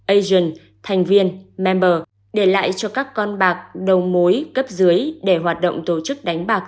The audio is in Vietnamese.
asian thành viên member để lại cho các con bạc đầu mối cấp dưới để hoạt động tổ chức đánh bạc